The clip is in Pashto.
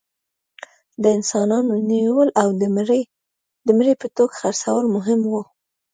د انسانانو نیول او د مري په توګه خرڅول مهم وو.